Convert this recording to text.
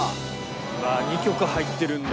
「うわあ２曲入ってるんだ。